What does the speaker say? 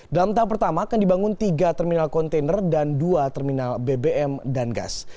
dalam tahap pertama akan dibangun tiga terminal kontainer dan dua terminal bbm dan gas